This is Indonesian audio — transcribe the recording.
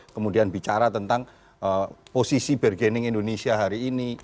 kemudian bicara tentang posisi bergening indonesia hari ini